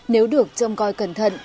nếu được chôm coi cẩn thận